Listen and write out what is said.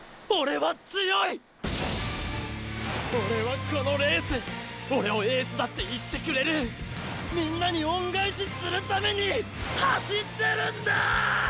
オレはこのレースオレをエースだって言ってくれるみんなに恩返しするために走ってるんだ！！